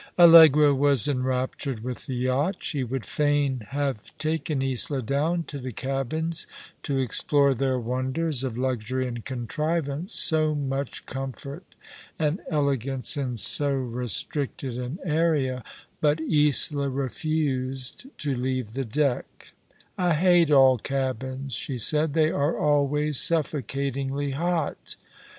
Allegra was enraptured with the yacht. She would fain have taken Isola down to the cabins, to explore their wonders of luxury and contrivance, so much comfort and elegance in so restricted an area ; but Isola refused to leave the deck "I hate all cabins," she said. "They are always suffo catingly hot."